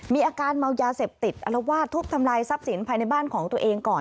มีอาการเมายาเสพติดอลวาดทุบทำลายทรัพย์สินภายในบ้านของตัวเองก่อน